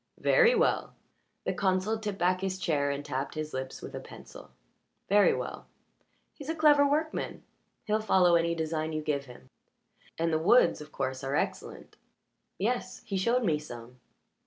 "Very well." The consul tipped back his chair and tapped his lips with a pencil. "Very well. He's a clever workman. He'll follow any design you give him, and the woods, of course, are excellent." "Yes. He showed me some.